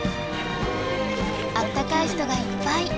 あったかい人がいっぱい。